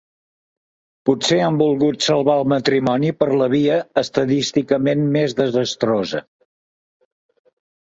Potser han volgut salvar el matrimoni per la via estadísticament més desastrosa.